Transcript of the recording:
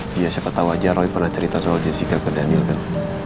dia siapa tahu aja roy pernah cerita soal jessica ke daniel kan